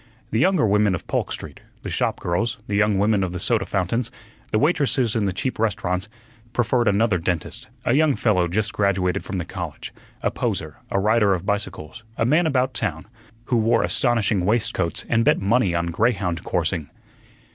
The younger women of Polk Street the shop girls, the young women of the soda fountains, the waitresses in the cheap restaurants preferred another dentist, a young fellow just graduated from the college, a poser, a rider of bicycles, a man about town, who wore astonishing waistcoats and bet money on greyhound coursing.